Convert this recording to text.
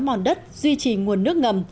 mòn đất duy trì nguồn nước ngầm